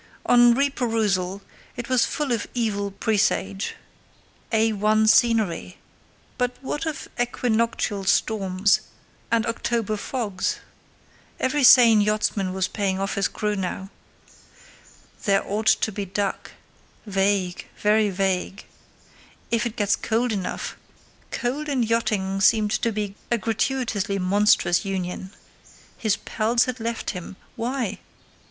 On reperusal, it was full of evil presage—"A1 scenery"—but what of equinoctial storms and October fogs? Every sane yachtsman was paying off his crew now. "There ought to be duck"—vague, very vague. "If it gets cold enough"—cold and yachting seemed to be a gratuitously monstrous union. His pals had left him; why?